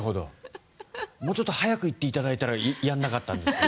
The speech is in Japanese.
もうちょっと早く言っていただいたらやらなかったんですけど。